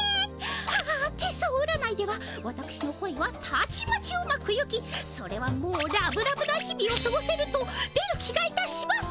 アア手相占いではわたくしの恋はたちまちうまくゆきそれはもうラブラブな日々をすごせると出る気がいたします。